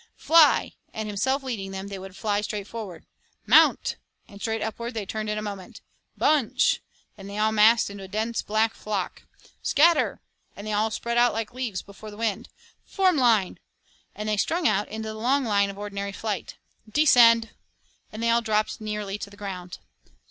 'Fly!' and himself leading them, they would all fly straight forward. 'Mount!' and straight upward they turned in a moment. 'Bunch!' and they all massed into a dense black flock. 'Scatter!' and they spread out like leaves before the wind. 'Form line!' and they strung out into the long line of ordinary flight. 'Descend!' and they all dropped nearly to the ground.